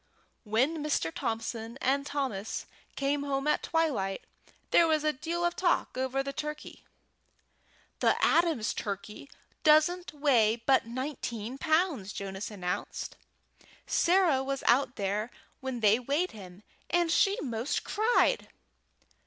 When Mr. Thompson and Thomas came home at twilight there was a deal of talk over the turkey. "The Adams' turkey doesn't weigh but nineteen pounds," Jonas announced. "Sarah was out there when they weighed him, and she 'most cried."